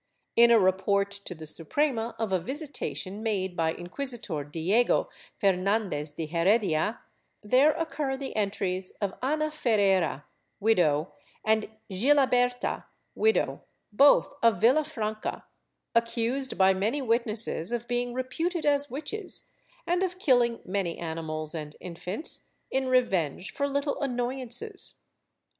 In a report to the Suprema of a visitation made by Inquisitor Diego Fernandez de Heredia, there occur the entries of Ana Ferrera, widow and Gilaberta, widow, both of Villafranca, accused by many witnesses of being reputed as witches and of killing many animals and infants, in revenge for little annoyances.